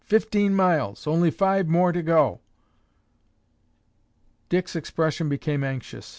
"Fifteen miles! Only five more to go." Dick's expression became anxious.